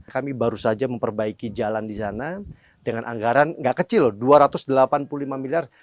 kami baru saja memperbaiki jalan di sana dengan anggaran nggak kecil loh dua ratus delapan puluh lima miliar